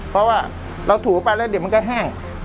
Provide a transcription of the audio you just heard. เพราะว่าเราถูไปแล้วเดี๋ยวมันก็แห้ง